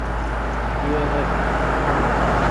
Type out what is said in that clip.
يَا أَخِي